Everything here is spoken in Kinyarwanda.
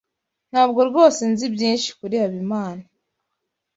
Ntabwo rwose nzi byinshi kuri Habimana.